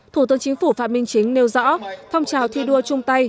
thủ tướng chính phủ phạm minh chính nêu rõ phong trào thi đua chung tay